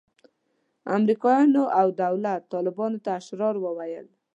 امریکایانو او دولت طالبانو ته اشرار ویل.